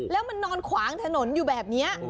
แล้วมันนอนขวางถนนอยู่แบบนี้